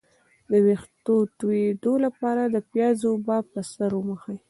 د ویښتو تویدو لپاره د پیاز اوبه په سر ومښئ